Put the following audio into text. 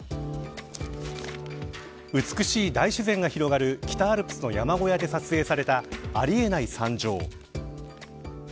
美しい大自然が広がる北アルプスの山小屋で撮影されたありえない惨状。